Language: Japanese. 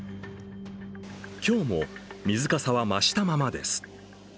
今日も水かさは増したままです。